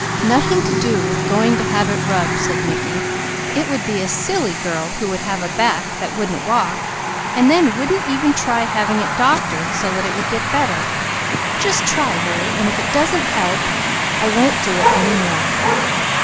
"Nothing to do with going to have it rubbed," said Mickey. "It would be a silly girl who would have a back that wouldn't walk, and then wouldn't even try having it doctored, so that it would get better. Just try Lily, and if it doesn't help, I won't do it any more."